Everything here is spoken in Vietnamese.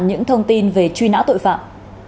những thông tin về truy nã tội phạm